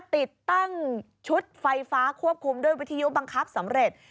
ติดตั้งชุดไฟฟ้าควบคุมด้วยวิทยุบังคับสำเร็จ